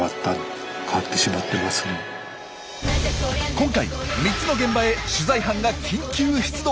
今回３つの現場へ取材班が緊急出動！